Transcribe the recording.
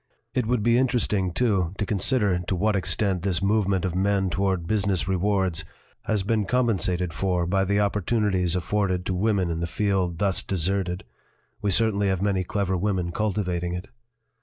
It would be interesting, too, to consider to what extent this movement of men toward business rewards has been compensated for by the opportunities afforded to women in the field thus deserted; we certainly have many clever women cultivating it."